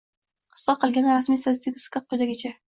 Qisqa qilganda rasmiy statistika quyidagicha